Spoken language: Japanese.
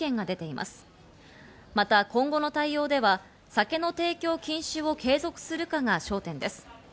また今後の対応では酒の提供禁止を継続するかが焦点です。